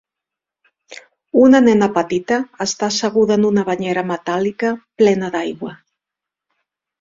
Una nena petita està asseguda en una banyera metàl·lica plena d'aigua.